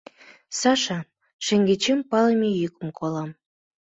— Саша! — шеҥгечем палыме йӱкым колам.